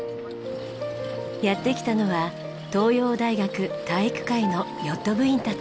やって来たのは東洋大学体育会のヨット部員たち。